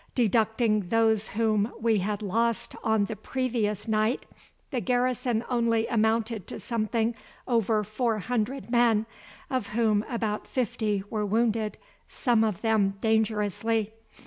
Deducting those whom we had lost on the previous night, the garrison only amounted to something over four hundred men, of whom about fifty were wounded, some of them dangerously.